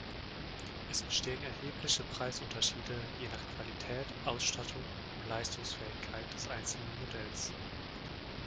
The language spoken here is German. Es bestehen erhebliche Preisunterschiede je nach Qualität, Ausstattung und Leistungsfähigkeit des einzelnen Modells.